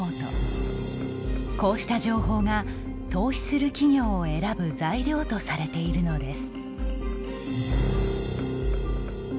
こうした情報が投資する企業を選ぶ材料とされているのです。